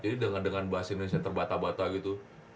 jadi dengan bahasa indonesia terbata bata gitu